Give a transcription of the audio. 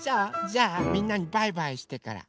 じゃあみんなにバイバイしてから。